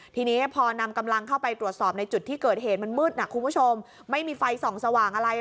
ทีนี้พอนำกำลังเข้าไปตรวจสอบในจุดที่เกิดเหตุมันมืดนะคุณผู้ชมไม่มีไฟส่องสว่างอะไร